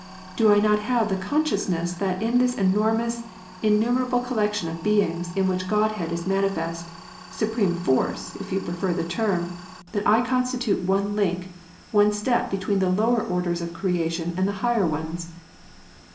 Do I not have the consciousness that in this enormous, innumera ble collection of beings in which Godhead is manifest — Supreme Force, if you prefer the term — that I constitute one link, one step between the lower orders of creation and the higher ones